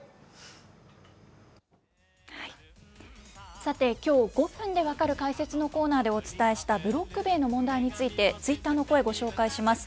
さて、きょう、５分でわかる解説のコーナーでお伝えしたブロック塀の問題について、ツイッターの声、ご紹介します。